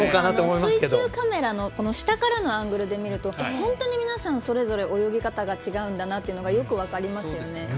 水中カメラの下からのアングルで見ると本当に皆さん、それぞれ泳ぎ方が違うんだなということがよく分かりますね。